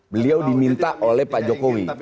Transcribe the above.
beliau diminta oleh pak jokowi